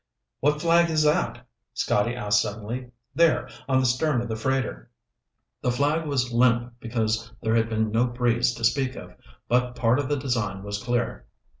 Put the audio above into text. "What flag is that?" Scotty asked suddenly. "There, on the stern of the freighter." The flag was limp because there had been no breeze to speak of, but part of the design was clear.